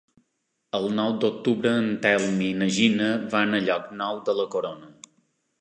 El nou d'octubre en Telm i na Gina van a Llocnou de la Corona.